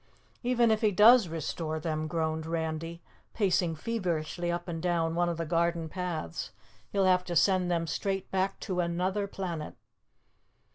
"Even if he does restore them," groaned Randy, pacing feverishly up and down one of the garden paths, "he'll have to send them straight back to Anuther Planet."